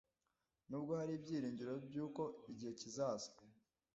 Nubwo hari ibyiringiro by uko igihe kizaza